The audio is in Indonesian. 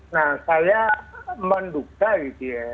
nah saya menduga gitu ya